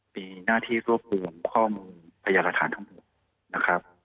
มีหน้าที่รวบเรข้อมูลประยาฐานทั้งหมดนะครับ